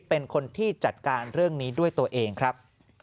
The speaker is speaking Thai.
เป็นคนที่จัดการเรื่องนี้ด้วยตัวเองครับ